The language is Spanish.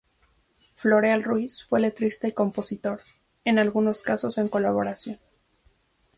Floreal Ruiz fue letrista y compositor, en algunos casos en colaboración.